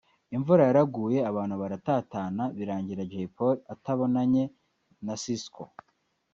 imvura yaraguye abantu baratatana birangira Jay Polly atabonanye na Sisqo